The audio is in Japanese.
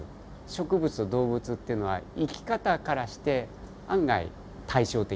植物と動物っていうのは生き方からして案外対照的で。